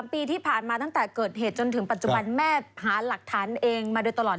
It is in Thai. ปีที่ผ่านมาตั้งแต่เกิดเหตุจนถึงปัจจุบันแม่หาหลักฐานเองมาโดยตลอด